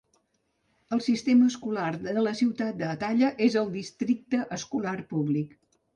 El sistema escolar de la ciutat d'Atalla és el districte escolar públic.